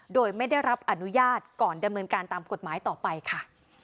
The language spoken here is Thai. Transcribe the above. โดยไม่ได้รับอนุญาตก่อนดำเนินการตามกฎหมายต่อไปค่ะ